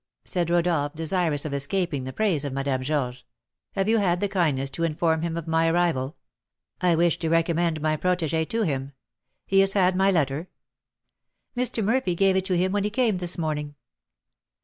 said Rodolph, desirous of escaping the praise of Madame Georges; "have you had the kindness to inform him of my arrival? I wish to recommend my protégée to him. He has had my letter?" "Mr. Murphy gave it to him when he came this morning."